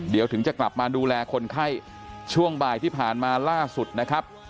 เดี๋ยวถึงจะกลับมาดูแลคนไข้ช่วงบ่ายที่ผ่านมาล่าสุดนะครับ